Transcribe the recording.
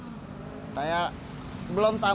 jadi saya pulang dari kelurahan ke kelurahan